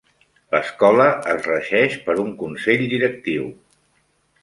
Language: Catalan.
L'escola es regeix per un consell directiu.